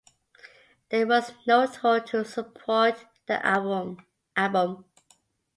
There was no tour to support the album.